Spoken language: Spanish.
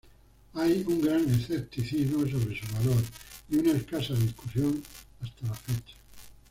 Hay un gran escepticismo sobre su valor y una escasa difusión hasta la fecha.